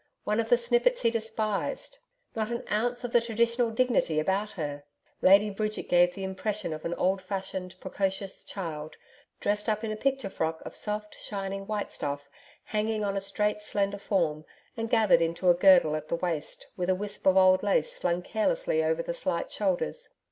One of the snippets he despised. Not an ounce of the traditional dignity about her. Lady Bridget gave the impression of an old fashioned, precocious child, dressed up in a picture frock of soft shining white stuff, hanging on a straight slender form and gathered into a girdle at the waist, with a wisp of old lace flung carelessly over the slight shoulders.